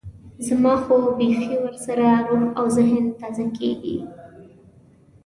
زما خو بيخي ورسره روح او ذهن تازه کېږي.